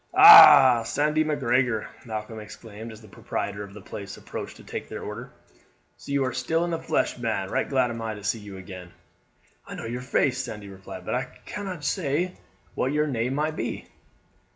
"Ah! Sandy Macgregor," Malcolm exclaimed as the proprietor of the place approached to take their order. "So you are still in the flesh, man! Right glad am I to see you again. "I know your face," Sandy replied; "but I canna just say what your name might be."